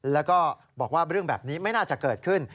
แล้วก็บอกว่าเรื่องแบบนี้ไม่น่าจะเกิดขึ้น